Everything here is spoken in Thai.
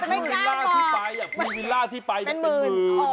ใช่แพ้หนึ่งอยู่ที่ลาที่ไปเป็นหมื่น